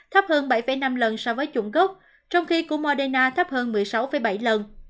thấp hơn bảy năm lần so với chủng gốc trong khi của moderna thấp hơn một mươi sáu bảy lần